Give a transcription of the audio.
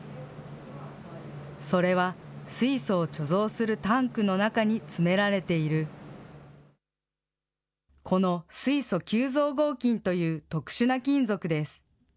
それは水素を貯蔵するタンクの中に詰められている、この水素吸蔵合金という特殊な金属です。